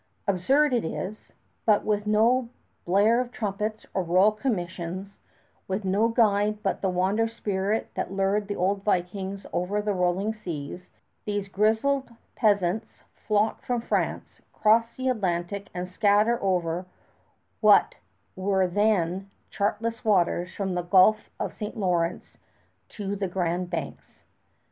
Absurd it is, but with no blare of trumpets or royal commissions, with no guide but the wander spirit that lured the old Vikings over the rolling seas, these grizzled peasants flock from France, cross the Atlantic, and scatter over what were then chartless waters from the Gulf of St. Lawrence to the Grand Banks.